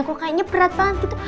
kok kayaknya berat banget gitu